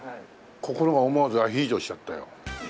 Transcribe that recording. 心が思わずアヒージョしちゃったよ。